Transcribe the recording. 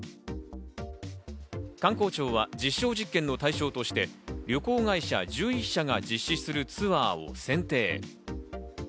観光庁は実証実験の対象として旅行会社１１社が実施するツアーを選定。